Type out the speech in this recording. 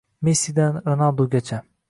Messidan Ronaldugacha